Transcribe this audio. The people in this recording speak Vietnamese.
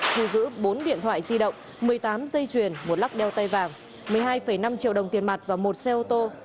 thu giữ bốn điện thoại di động một mươi tám dây chuyền một lắc đeo tay vàng một mươi hai năm triệu đồng tiền mặt và một xe ô tô